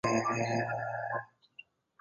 山西乌头为毛茛科乌头属下的一个种。